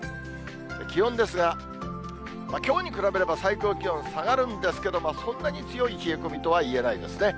気温ですが、きょうに比べれば最高気温下がるんですけれども、そんなに強い冷え込みとは言えないですね。